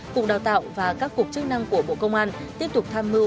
cục đào tạo và các cục chức năng của bộ công an tiếp tục tham mưu